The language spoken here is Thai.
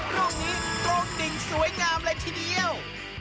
ตรงนี้ตรงสุดสวยงามเลยทีเดียว